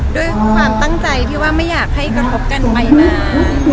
ด้วยความตั้งใจที่ว่าไม่อยากให้กระทบกันไปมา